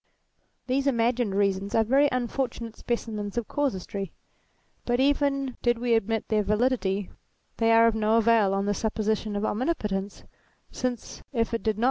These imagined reasons are very unfortunate specimens of casuistry ; but even did we admit their validity, they are of no avail on the supposition of omnipotence, since if it did not.